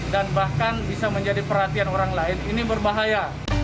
dan bahkan bisa menjadi perhatian orang lain ini berbahaya